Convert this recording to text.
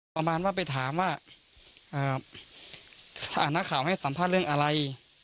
ประมาณว่าไปถามว่านักข่าวให้สัมภาษณ์เรื่องอะไร